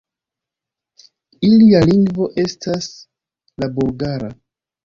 Ilia lingvo estas la bulgara.